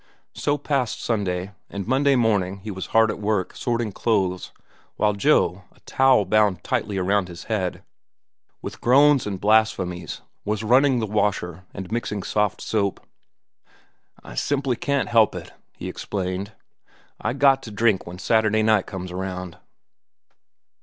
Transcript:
So passed Sunday, and Monday morning he was hard at work, sorting clothes, while Joe, a towel bound tightly around his head, with groans and blasphemies, was running the washer and mixing soft soap. "I simply can't help it," he explained. "I got to drink when Saturday night comes around."